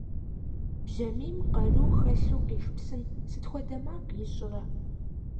Бжьамийм къару хэлъу къиж псым сыт хуэдэ макъ ищӀрэ?